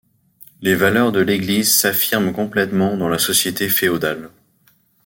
Les valeurs de l'Église s'affirment complètement dans la société féodale.